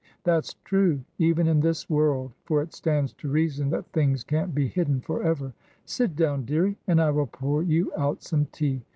That's true, even in this world, for it stands to reason that things can't be hidden for ever. Sit down, dearie, and I will pour you out some tea.